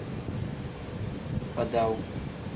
Badawu.